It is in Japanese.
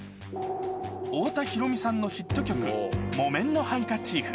太田裕美さんのヒット曲、木綿のハンカチーフ。